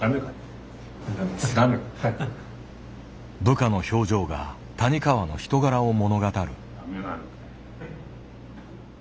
部下の表情が谷川の人柄を物語る。